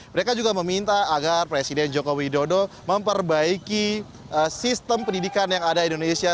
mereka juga meminta agar presiden joko widodo memperbaiki sistem pendidikan yang ada di indonesia